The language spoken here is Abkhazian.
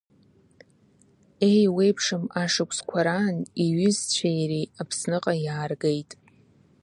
Еиуеиԥшым ашықәсқәа раан иҩызцәеи иареи Аԥсныҟа иааргеит…